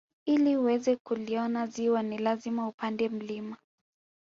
Ili uweze kuliona ziwa ni lazima upande mlima